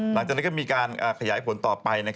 หลังจากนั้นก็มีการขยายผลต่อไป